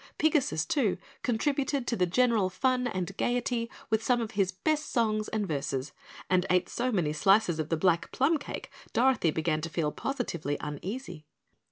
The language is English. Pigasus, too, contributed to the general fun and gaiety with some of his best songs and verses and ate so many slices of the black plum cake, Dorothy began to feel positively uneasy.